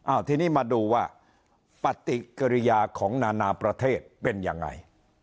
เอาทีนี้มาดูว่าปฏิกิริยาของนานาประเทศเป็นยังไง